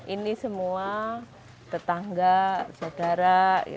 ini semua tetangga saudara